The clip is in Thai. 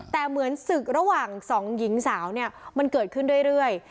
แต่เหมือนศึกระหว่างสองหญิงสาวเนี่ยมันเกิดขึ้นเรื่อย